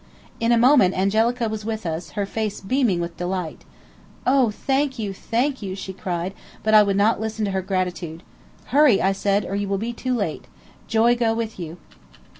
In a moment Angelica was with us, her face beaming with delight. "Oh, thank you, thank you!" she cried, but I would not listen to her gratitude. "Hurry!" I said, "or you will be too late. Joy go with you."